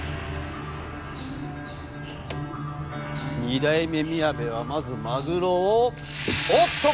二代目みやべはまずマグロをおっと！